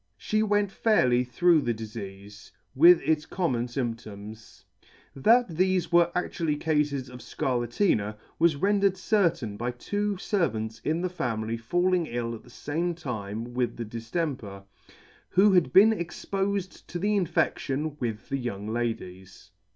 She went fairly through the difeafe, with its com mon fymptoms. That thefe were actually Cafes of Scarlatina , was rendered certain by two fervants in the family falling ill at the fame time with the diftemper, who had been expofed to the infection with the young ladies.